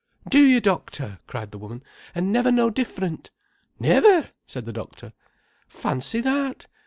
"Do you doctor!" cried the woman. "And never no different." "Never," said the doctor. "Fancy that!